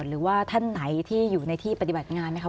หรือว่าท่านไหนที่อยู่ในที่ปฏิบัติงานไหมคะ